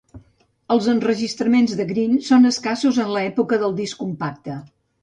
Els enregistraments de Greene són escassos en l'època del disc compacte.